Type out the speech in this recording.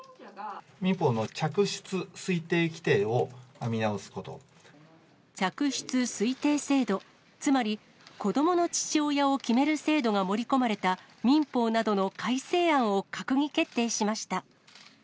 民法の嫡出推定規定を見直す嫡出推定制度、つまり、子どもの父親を決める制度が盛り込まれた民法などの改正案を閣議決定しました。